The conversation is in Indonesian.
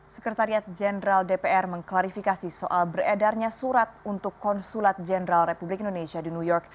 sekretariat jenderal dpr mengklarifikasi soal beredarnya surat untuk konsulat jenderal republik indonesia di new york